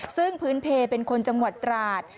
ซึ่งพื้นเพลเป็นคนจังหวัดตราด